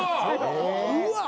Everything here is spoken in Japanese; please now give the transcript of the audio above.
うわっ！